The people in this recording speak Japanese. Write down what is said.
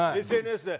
ＳＮＳで。